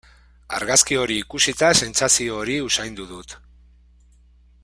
Argazki hori ikusita sentsazio hori usaindu dut.